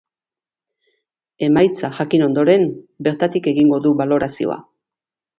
Emaitza jakin ondoren, bertatik egingo du balorazioa.